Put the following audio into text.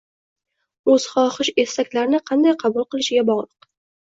o‘z xohish-istaklarini qanday qabul qilishiga bog'liq.